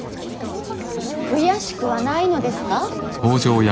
悔しくはないのですか。